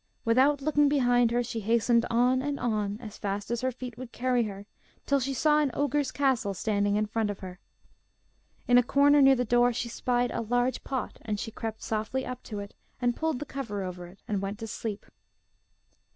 Without looking behind her, she hastened on and on, as fast as her feet would carry her, till she saw an ogre's castle standing in front of her. In a corner near the door she spied a large pot, and she crept softly up to it and pulled the cover over it, and went to sleep.